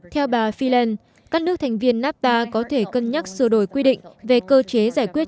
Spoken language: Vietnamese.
theo bà freeland các nước thành viên napta có thể cân nhắc sửa đổi quy định về cơ chế giải quyết